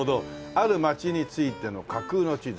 『ある街についての架空の地図』。